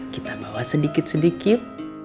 kita bawa sedikit sedikit